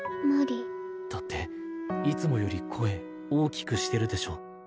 無理？だっていつもより声大きくしてるでしょ？